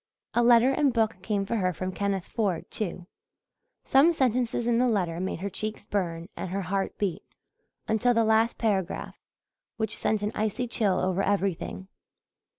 A letter and book came for her from Kenneth Ford, too; some sentences in the letter made her cheeks burn and her heart beat until the last paragraph, which sent an icy chill over everything.